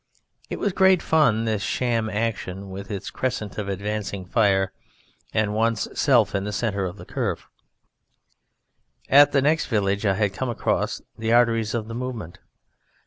It was great fun, this sham action, with its crescent of advancing fire and one's self in the centre of the curve. At the next village I had come across the arteries of the movement.